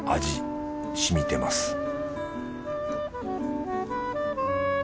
味しみてます